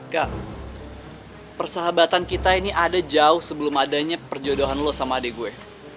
kak persahabatan kita ini ada jauh sebelum adanya perjodohan lo sama adik gue